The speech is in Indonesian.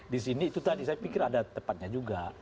di sini itu tadi saya pikir ada tepatnya juga